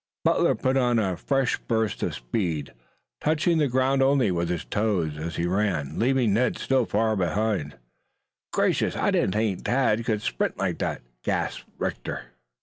Butler put on a fresh burst of speed, touching the ground only with his toes, as he ran, leaving Ned still farther behind. "Gracious, I didn't think Tad could sprint like that," gasped Rector.